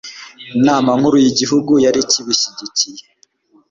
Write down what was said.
inama nkuru y'igihugu yari ikibishyigikiye